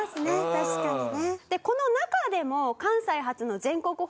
確かにね。